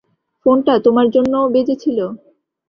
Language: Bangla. ফোনটা তোমার জন্যও বেজেছিল?